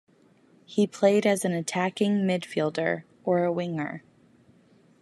He played as an attacking midfielder or a winger.